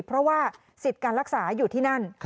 เพราะว่าสิทธิ์การรักษาอยู่ที่นั่น